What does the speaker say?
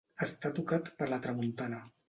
Estar tocat per la tramuntana.